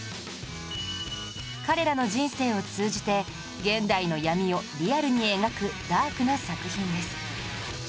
彼らの人生を通じて現代の闇をリアルに描くダークな作品です